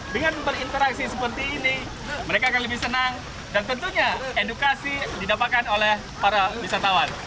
dengan berinteraksi seperti ini mereka akan lebih senang dan tentunya edukasi didapatkan oleh para wisatawan